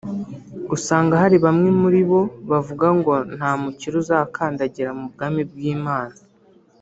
usanga hari bamwe muri bo bavuga ngo nta mukire uzakandagira mu bwami bw’Imana